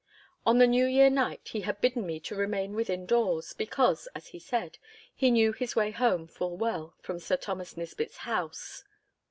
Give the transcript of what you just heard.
On the New Year night he had bidden me to remain within doors, because, as he said, he knew his way home full well from Sir Thomas Nisbett's house.